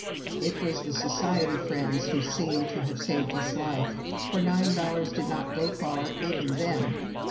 It was the society friends who seem to have saved his life, for nine dollars did not go far, even then.